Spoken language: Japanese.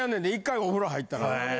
１回お風呂入ったら。